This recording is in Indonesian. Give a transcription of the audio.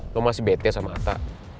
lo masih bete sama atta